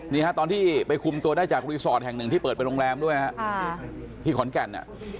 นี่ฮะตอนที่ไปคุมตัวได้จากรีสอร์ทแห่งหนึ่งที่เปิดเป็นโรงแรมด้วยฮะที่ขอนแก่น